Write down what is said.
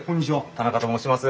田中と申します。